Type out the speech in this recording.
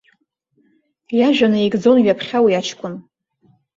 Иажәа наигӡон ҩаԥхьа уи аҷкәын.